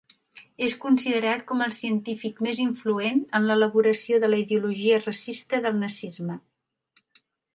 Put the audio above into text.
És considerat com el científic més influent en l'elaboració de la ideologia racista del nazisme.